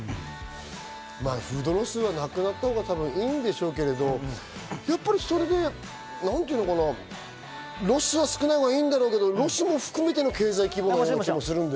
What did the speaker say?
フードロスはなくなったほうがいいんでしょうけど、やっぱりそれで、何ていうのかな、ロスは少ないほうがいいんだろうけど、ロスも含めての経済規模っていう気がする。